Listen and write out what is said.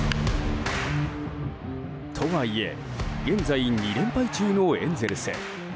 とはいえ現在、２連敗中のエンゼルス。